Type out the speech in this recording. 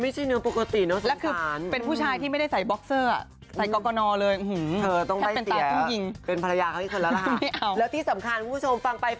จะบอกว่าคุณผู้ชมขออนุญาตค่ะ